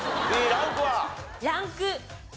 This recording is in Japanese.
ランク２。